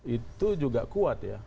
itu juga kuat ya